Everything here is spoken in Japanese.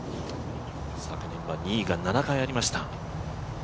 昨年は２位が７回ありました。